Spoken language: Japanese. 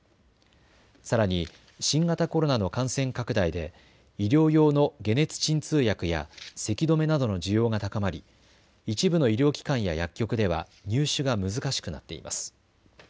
さらに新型コロナの感染拡大で医療用の解熱鎮痛薬やせき止めなどの需要が高まり一部の医療機関や薬局では入手が難しくなっています。